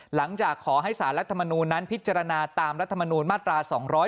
หลังจากขอให้สารักษณ์มนุนนั้นพิจารณาตามรัฐมนุนมาตรา๒๑๓